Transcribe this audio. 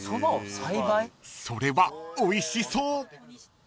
［それはおいしそう］